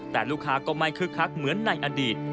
แต่ลูกค้าก็ไม่คึกคักเหมือนในอดีต